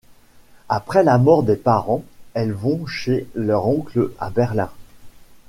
Après la mort des parents, elles vont chez leur oncle à Berlin.